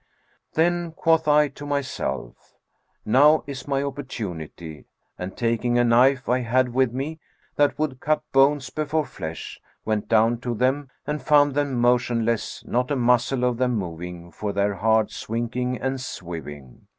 Then quoth I to myself, 'Now is my opportunity,' and taking a knife I had with me, that would cut bones before flesh,[FN#432] went down to them and found them motionless, not a muscle of them moving for their hard swinking and swiving.